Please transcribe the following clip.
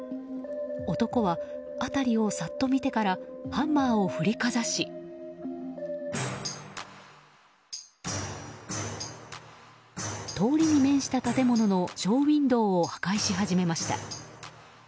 男は辺りをさっと見てからハンマーを振りかざし通りに面した建物のショーウィンドーを破壊し始めました。